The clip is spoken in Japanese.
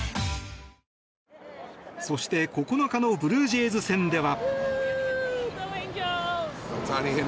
そして９日のブルージェイズ戦では。